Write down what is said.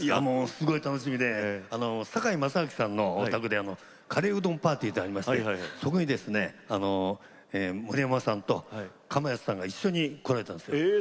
すごい楽しみで堺正章さんのお宅でカレーうどんパーティーがありましてそこで森山さんとかまやつさんが一緒に来られたんです。